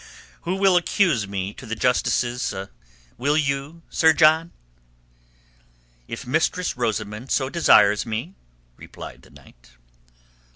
"Who will accuse me to the Justices? Will you, Sir John?" "If Mistress Rosamund so desires me," replied the knight.